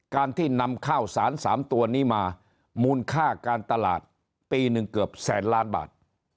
การที่นำข้าวสาร๓ตัวนี้มามูลค่าการตลาดปีหนึ่งเกือบแสนล้านบาท